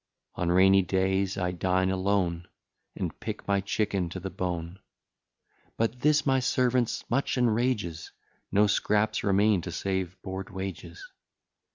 On rainy days I dine alone, And pick my chicken to the bone; But this my servants much enrages, No scraps remain to save board wages.